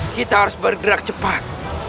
kita harus bergerak cepat